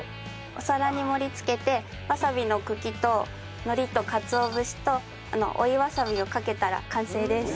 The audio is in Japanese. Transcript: お皿に盛りつけてわさびの茎と海苔とかつお節と追いわさびをかけたら完成です。